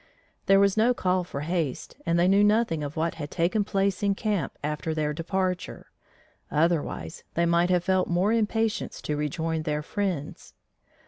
There was no call for haste, and they knew nothing of what had taken place in camp after their departure; otherwise, they might have felt more impatience to rejoin their friends.